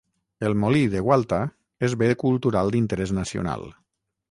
El molí de Gualta és bé cultural d'interès nacional.